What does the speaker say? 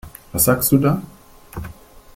Was sagst du da?